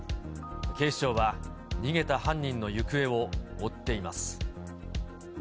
警視庁は逃げた犯人の行方を追っています。